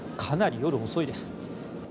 かなり夜遅いです。